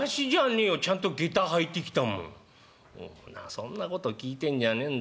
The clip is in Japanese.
「そんなこと聞いてんじゃねえんだ。